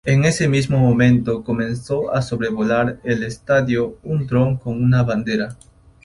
En ese mismo momento comenzó a sobrevolar el estadio un dron con una bandera.